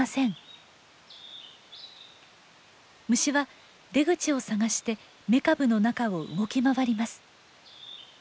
虫は出口を探して雌株の中を動き回ります。